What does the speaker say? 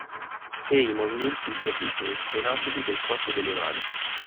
Pei movimenti improvvisi e infrenabili del corpo e delle mani.